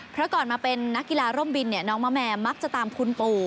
เพราะก่อนมาเป็นนักกีฬาร่มบินน้องมะแมมักจะตามคุณปู่